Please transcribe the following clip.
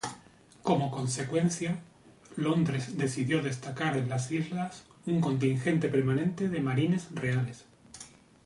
Como consecuencia, Londres decidió destacar en las islas un contingente permanente de Marines Reales.